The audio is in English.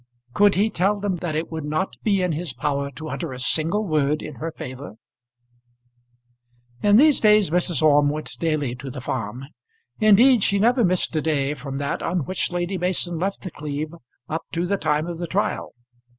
Could he tell them that it would not be in his power to utter a single word in her favour? In these days Mrs. Orme went daily to the Farm. Indeed, she never missed a day from that on which Lady Mason left The Cleeve up to the time of the trial.